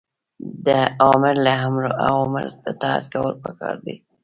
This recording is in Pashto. د آمر له اوامرو اطاعت کول پکار دي.